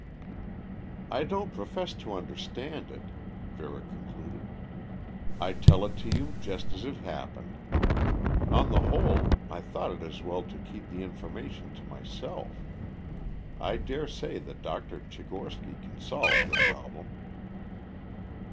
"I don't profess to understand it," Vera concluded. "I tell it to you just as it happened. On the whole, I thought it as well to keep the information to myself. I dare say that Dr. Tchigorsky can solve the problem."